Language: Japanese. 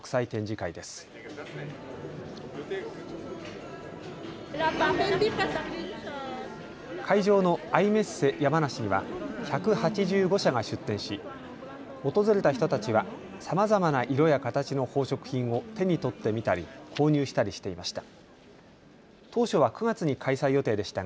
会場のアイメッセ山梨には１８５社が出展し、訪れた人たちはさまざまな色や形の宝飾品を手に取って見たり購入したりしていました。